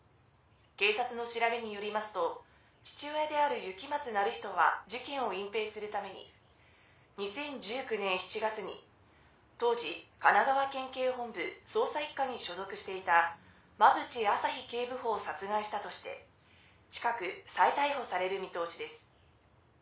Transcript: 警察の調べによりますと父親である雪松鳴人は事件を隠蔽するために２０１９年７月に当時神奈川県警本部捜査１課に所属していた馬淵朝陽警部補を殺害したとして近く再逮捕される見通しです。